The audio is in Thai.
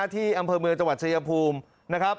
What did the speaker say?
ที่อำเภอเมืองจังหวัดเจรียภูมิ